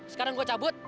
sekarang gue cabut